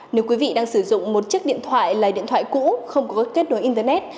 nếu quý vị đang sử dụng một chiếc điện thoại là điện thoại cũ không có kết nối internet